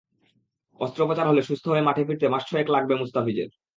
অস্ত্রোপচার হলে সুস্থ হয়ে মাঠে ফিরতে মাস ছয়েক সময় লাগবে মুস্তাফিজের।